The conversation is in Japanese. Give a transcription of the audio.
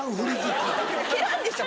蹴らんでしょ